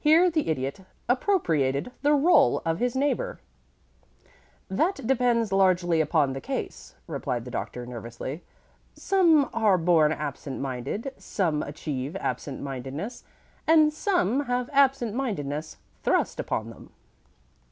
Here the Idiot appropriated the roll of his neighbor. "That depends largely upon the case," replied the Doctor, nervously. "Some are born absent minded, some achieve absent mindedness, and some have absent mindedness thrust upon them."